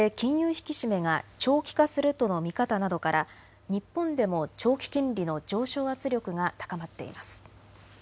引き締めが長期化するとの見方などから日本でも長期金利の上昇圧力が高まっています。